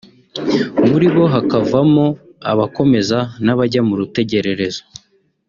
muri bo hakavamo abakomeza n’abajya mu rutegererezo